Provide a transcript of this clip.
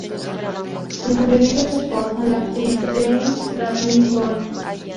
Le sobrevive su esposa, la actriz Grace Bradley Boyd.